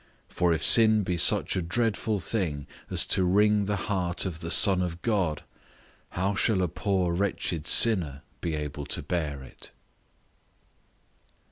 For if sin be such a dreadful thing as to wring the heart of the Son of God, how shall a poor wretched sinner be able to bear it?